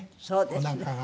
おなかが。